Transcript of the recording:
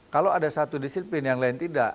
kalau ada satu disiplin yang lain tidak